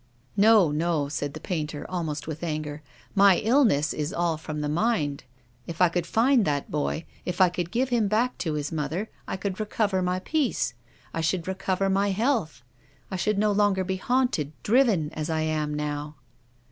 " No, no," said the painter, almost with anger, " my illness is all from the mind. If I could find that boy, if I could give him back to his mother, I should recover my peace, I should recover my health — I should no longer be haunted, driven as I am now.